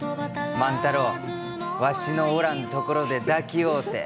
万太郎わしのおらんところで抱きおうて。